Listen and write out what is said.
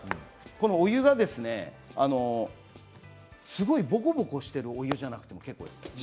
このお湯は、すごいボコボコしているお湯じゃなくて結構です。